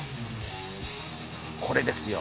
これですよ！